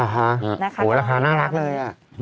โอ้โหราคาน่ารักเลย